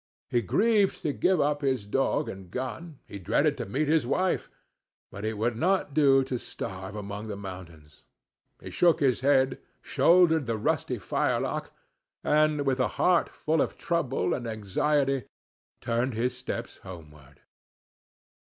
He grieved to give up his dog and gun; he dreaded to meet his wife; but it would not do to starve among the mountains. He shook his head, shouldered the rusty firelock, and, with a heart full of trouble and anxiety, turned his steps homeward.